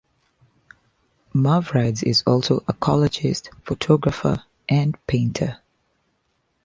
Mavrides is also a collagist, photographer and painter.